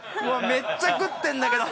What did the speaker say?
めっちゃ食ってんだけど。